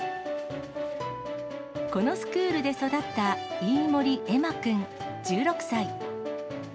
このスクールで育った飯森円舞君１６歳。